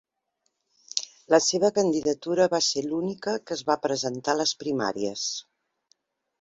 La seva candidatura va ser l'única que es va presentar a les primàries.